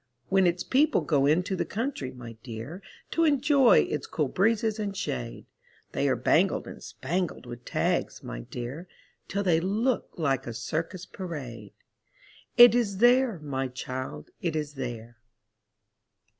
When its people go into the country, my dear, To enjoy its cool breezes and shade, They are bangled and spangled with tags, my dear, Till they look like a circus parade. It is there, my child, it is there.